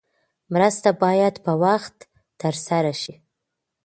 مرسته باید په وخت ترسره شي.